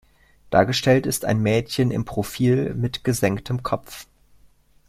Dargestellt ist ein Mädchen im Profil mit gesenktem Kopf.